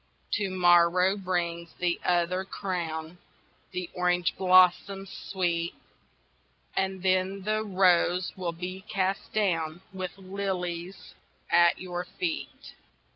To morrow brings the other crown, The orange blossoms, Sweet, And then the rose will be cast down With lilies at your feet.